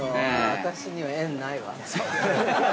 私には縁ないわ。